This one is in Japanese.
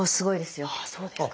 あっそうですか？